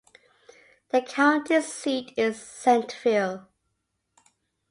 The county seat is Centreville.